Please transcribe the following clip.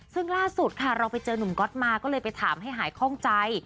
ซึ่งล่าสุดค่ะเราไปเจอนุ่มก๊อตมาก็เลยไปถามให้หายคล่องใจ